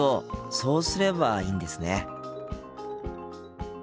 そうすればいいんですね。